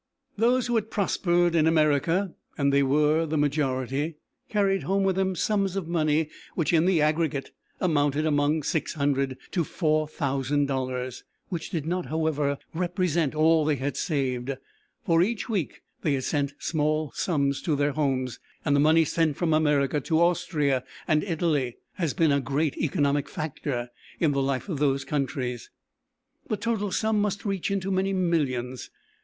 Those who had prospered in America, and they were the majority, carried home with them sums of money which in the aggregate, amounted, among 600, to four thousand dollars, which did not however represent all they had saved; for each week they had sent small sums to their homes, and the money sent from America to Austria and Italy has been a great economic factor in the life of those countries. The total sum must reach into many millions.